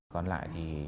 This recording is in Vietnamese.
còn lại thì